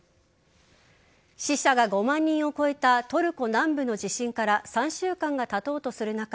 死者が５万人を超えたトルコ南部の地震から３週間がたとうとする中